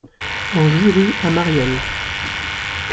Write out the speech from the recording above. En Jurue à Marieulles